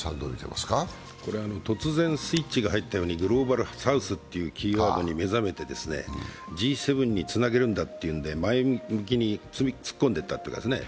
突然スイッチが入ったようにグローバルサウスというキーワードに目覚めて、Ｇ７につなげるんだって、前向きに突っ込んでいったんですね。